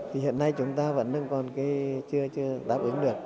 hiện nay chúng ta vẫn chưa đáp ứng được